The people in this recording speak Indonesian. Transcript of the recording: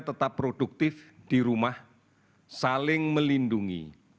tetap produktif di rumah saling melindungi